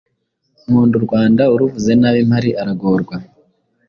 nkunda u Rwanda uruvuze nabi mpari aragorwa